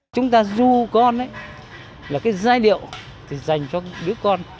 chúng ta ru con ấy là cái giai điệu dành cho đứa con